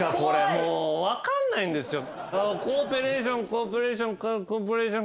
もう分かんないんですよ。